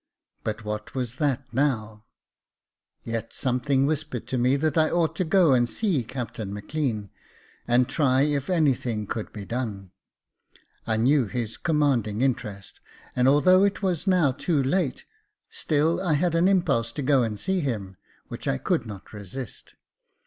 But what was that now .»* Yet some thing whispered to me that I ought to go and see Captain Maclean, and try if anything could be done. I knew his commanding interest, and although it was now too late, still I had an impulse to go and see him, which I could not resist.